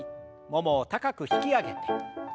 ももを高く引き上げて。